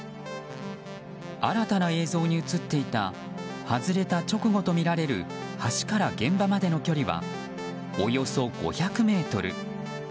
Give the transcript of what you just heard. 新たな人映像に映っていた外れた直後とみられる橋から現場までの距離はおよそ５００ｍ。